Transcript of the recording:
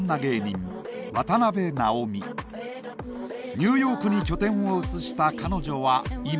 ニューヨークに拠点を移した彼女は今。